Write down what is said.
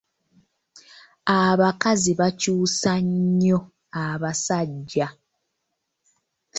Abakazi bakyusa nnyo abasajja.